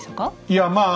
いやまあ